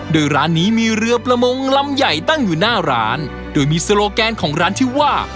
โดยร้านนี้มีเรือประมงลำใหญ่ตั้งอยู่หน้าร้านโดยมีโซโลแกนของร้านชื่อว่า